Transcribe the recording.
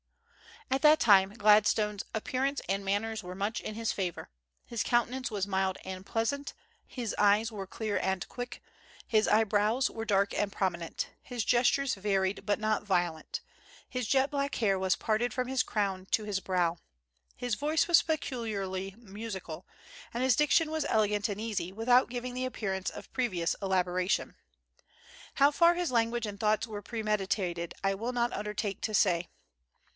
At that time, Gladstone's "appearance and manners were much in his favor. His countenance was mild and pleasant; his eyes were clear and quick; his eyebrows were dark and prominent; his gestures varied but not violent; his jet black hair was parted from his crown to his brow;" his voice was peculiarly musical, and his diction was elegant and easy, without giving the appearance of previous elaboration. How far his language and thoughts were premeditated I will not undertake to say.